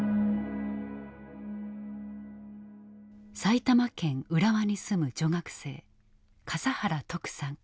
埼玉県浦和に住む女学生笠原徳さん